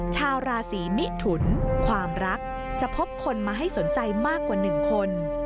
ชาวราศีมิถุนความรักจะพบคนมาให้สนใจมากกว่า๑คน